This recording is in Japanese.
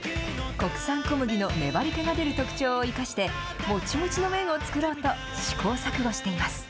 国産小麦の粘りけがある特徴を生かしてもちもちの麺を作ろうと試行錯誤しています。